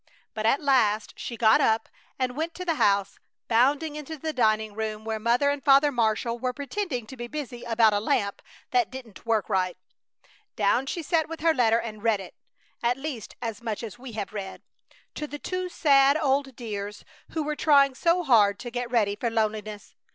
But at last she got up and went to the house, bounding into the dining room where Mother and Father Marshall were pretending to be busy about a lamp that didn't work right. Down she sat with her letter and read it at least as much as we have read to the two sad old dears who were trying so hard to get ready for loneliness.